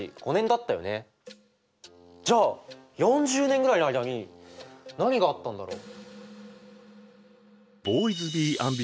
じゃあ４０年ぐらいの間に何があったんだろう？